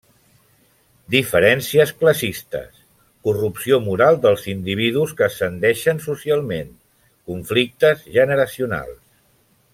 Diferències classistes, corrupció moral dels individus que ascendeixen socialment, conflictes generacionals.